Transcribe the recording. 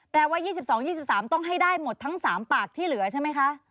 ว่า๒๒๒๓ต้องให้ได้หมดทั้ง๓ปากที่เหลือใช่ไหมคะ